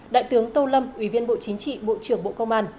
đại tướng tô lâm ủy viên bộ chính trị bộ trưởng bộ công an